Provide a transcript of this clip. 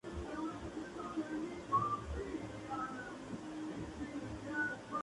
Puede abrir su boca como expresión de amenaza.